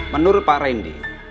menurut pak randy